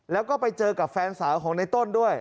แล้วก็ไปเจอกับแฟนสาวของในต้นด้วย